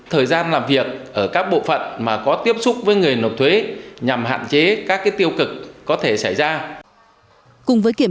hồ sơ sau khi tiếp nhận được trả đúng hạn